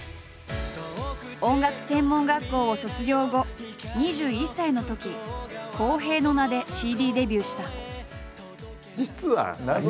音楽専門学校を卒業後２１歳のとき「洸平」の名でＣＤデビューした。